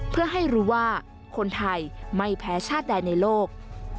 เพื่อให้รู้ว่าคนไทยไม่แพ้ชาติใดในโลก